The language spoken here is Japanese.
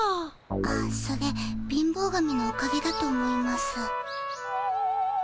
あそれ貧乏神のおかげだと思います。